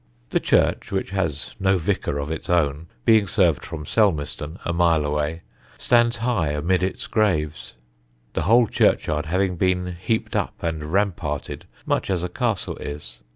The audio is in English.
The church, which has no vicar of its own, being served from Selmeston, a mile away, stands high amid its graves, the whole churchyard having been heaped up and ramparted much as a castle is.